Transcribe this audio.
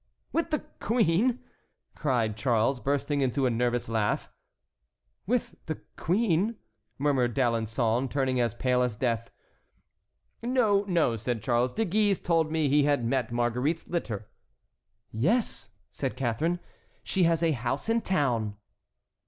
"With the queen!" cried Charles, bursting into a nervous laugh. "With the queen," murmured D'Alençon, turning as pale as death. "No, no," said Charles, "De Guise told me he had met Marguerite's litter." "Yes," said Catharine, "she has a house in town."